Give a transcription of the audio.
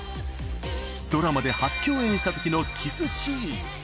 ドラマで初共演したときのキスシーン。